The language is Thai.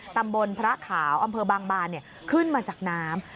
ตำบลพระขาวอำเภอบางบานขึ้นมาจากน้ำ